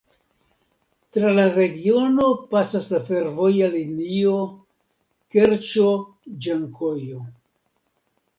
Tra la regiono pasas la fervoja linio Kerĉo-Ĝankojo.